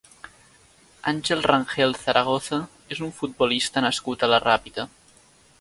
Àngel Rangel Zaragoza és un futbolista nascut a la Ràpita.